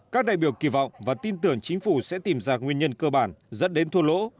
các đại biểu kỳ vọng và tin tưởng chính phủ sẽ tìm ra nguyên nhân cơ bản dẫn đến thua lỗ